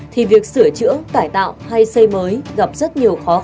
thì việc sửa chữa cải tạo hay xây mới gặp rất nhiều khó khăn